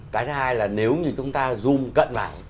cái thứ hai là nếu như chúng ta zoom cận lại